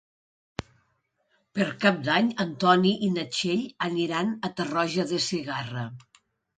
Per Cap d'Any en Ton i na Txell aniran a Tarroja de Segarra.